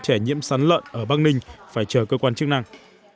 trẻ nhiễm sán lợn ở bắc ninh phải chờ cơ quan chức năng